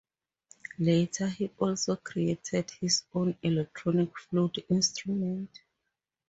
Later he also created his own electronic flute instrument.